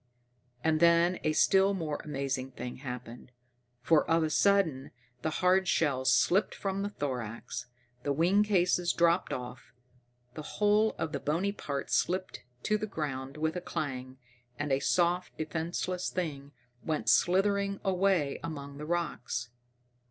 And then a still more amazing thing happened. For of a sudden the hard shell slipped from the thorax, the wing cases dropped off, the whole of the bony parts slipped to the ground with a clang, and a soft, defenseless thing went slithering away among the rocks.